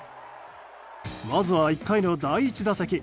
まずは１回の第１打席。